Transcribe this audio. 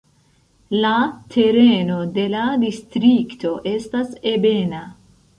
La tereno de la distrikto estas ebena.